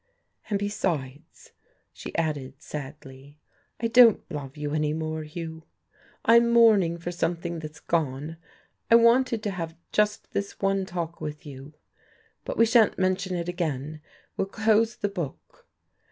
"And besides," she added sadly, "I don't love you any more, Hugh. I'm mourning for something that's gone. I wanted to have just this one talk with you. But we shan't mention it again, we'll close the book."...